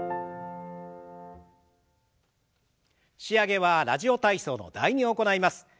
仕上げは「ラジオ体操」の「第２」を行います。